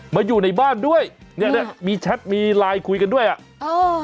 อยู่ในบ้านด้วยเนี่ยมีแชทมีไลน์คุยกันด้วยอ่ะเออ